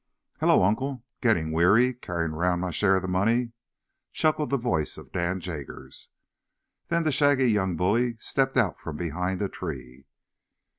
"Hullo, uncle! Gettin' weary, carryin' 'round my share of the money?" chuckled the voice of Dan Jaggers. Then that shaggy young bully stepped out from behind a tree.